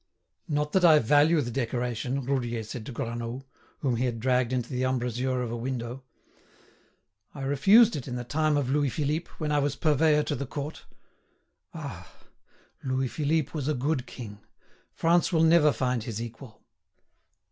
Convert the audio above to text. "Not that I value the decoration," Roudier said to Granoux, whom he had dragged into the embrasure of a window. "I refused it in the time of Louis Philippe, when I was purveyor to the court. Ah! Louis Philippe was a good king. France will never find his equal!"